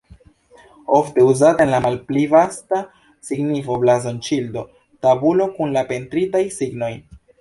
Ofte uzata en la malpli vasta signifo blazon-ŝildo, tabulo kun la pentritaj signoj.